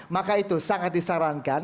maka itu sangat disarankan